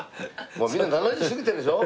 もうみんな７０過ぎてるでしょ？